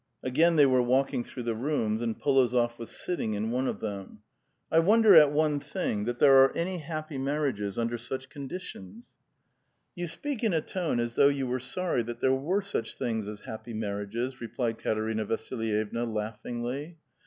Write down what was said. Again they were walking through the rooms, and P61ozof was sitting in one of them. " I wonder at one thing — that there are any happy maiTiages under such con ditions." " You speak in a tone as though you were sorry that there were such things as happy maiTiages," replied Katerina Vasilyevna laughingl}'.